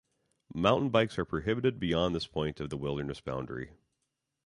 Mountain bikes are prohibited beyond this point of the wilderness boundary.